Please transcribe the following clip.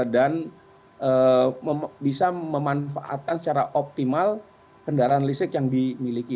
dan bisa memanfaatkan secara optimal kendaraan listrik yang dimiliki